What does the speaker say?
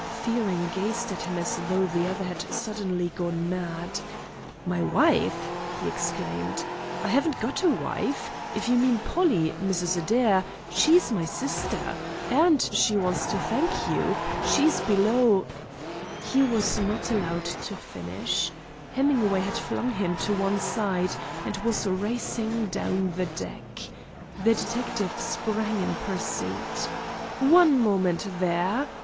Fearing gazed at him as though the other had suddenly gone mad. "My wife!" he exclaimed. "I haven't got a wife! If you mean Polly Mrs. Adair, she is my sister! And she wants to thank you. She's below " He was not allowed to finish. Hemingway had flung him to one side, and was racing down the deck. The detective sprang in pursuit. "One moment, there!"